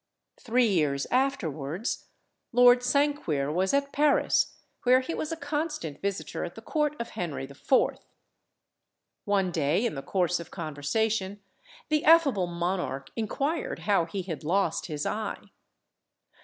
Three years afterwards, Lord Sanquir was at Paris, where he was a constant visitor at the court of Henry IV. One day, in the course of conversation, the affable monarch inquired how he had lost his eye.